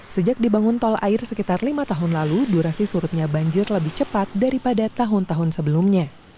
sejak dibangun tol air sekitar lima tahun lalu durasi surutnya banjir lebih cepat daripada tahun tahun sebelumnya